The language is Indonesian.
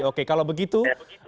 oke kalau begitu